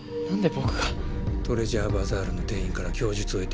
トレジャーバザールの店員から供述を得ている。